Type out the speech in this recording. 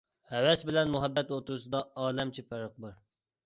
ھەۋەس بىلەن مۇھەببەت ئوتتۇرىسىدا ئالەمچە پەرق بار.